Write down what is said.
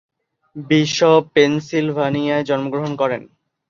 Bishop পেন্সিলভানিয়ায় জন্মগ্রহণ করেন।